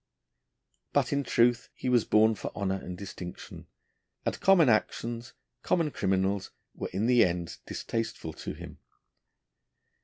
But, in truth, he was born for honour and distinction, and common actions, common criminals, were in the end distasteful to him.